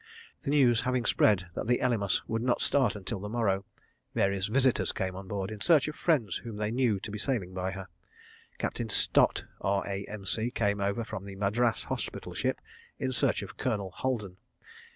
The news having spread that the Elymas would not start until the morrow, various visitors came on board, in search of friends whom they knew to be sailing by her. Captain Stott, R.A.M.C., came over from the Madras hospital ship, in search of Colonel Haldon.